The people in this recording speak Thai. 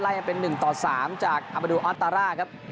ไล่เป็น๑๓จากอับดูออสตาร่าครับ